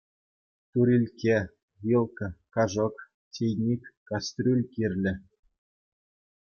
Турилкке, вилка, кашӑк, чейник, кастрюль кирлӗ.